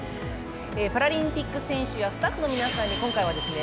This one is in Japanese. パラリンピック選手やスタッフの皆さんに今回はですね